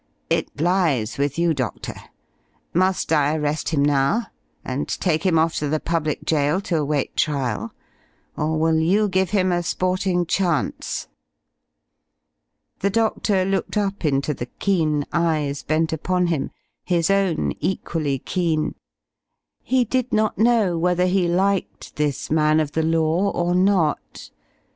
It lies with you, Doctor. Must I arrest him now, and take him off to the public jail to await trial, or will you give him a sporting chance?" The doctor looked up into the keen eyes bent upon him, his own equally keen. He did not know whether he liked this man of the law or not.